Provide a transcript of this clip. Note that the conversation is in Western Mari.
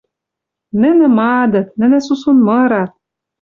Нӹнӹ мадыт, нӹнӹ сусун мырат —